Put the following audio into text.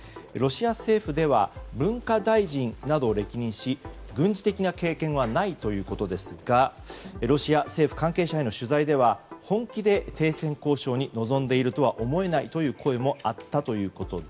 ロシア政府では文科大臣などを歴任し軍事的な経験はないということですがロシア政府関係者への取材では本気で停戦交渉に臨んでいるとは思えないとの声もあったと。